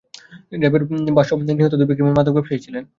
র্যাবের ভাষ্য, নিহত দুই ব্যক্তি মাদক ব্যবসায়ী ছিলেন।